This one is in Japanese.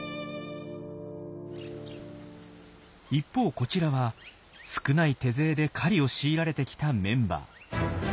一方こちらは少ない手勢で狩りを強いられてきたメンバー。